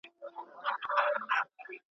هر یو ټکی یې ګلګون دی نازوه مي .